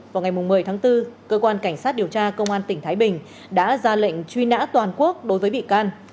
vào ngày một mươi tháng bốn cơ quan cảnh sát điều tra công an tỉnh thái bình đã ra lệnh truy nã toàn quốc đối với bị can